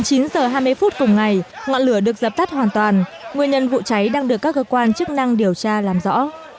cuối cùng ngày ngọn lửa được dập tắt hoàn toàn nguyên nhân vụ cháy đang được các cơ quan chức năng điều tra làm rõ